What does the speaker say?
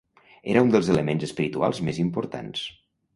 Era un dels elements espirituals més importants.